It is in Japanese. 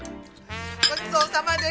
ごちそうさまでした。